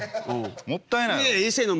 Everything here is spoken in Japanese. もったいないやろ。